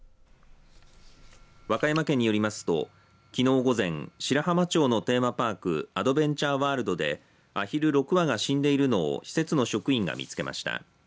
和歌山県によりますときのう午前白浜町のテーマパークアドベンチャーワールドであひる６羽が死んでいるのを施設の職員が見つけました。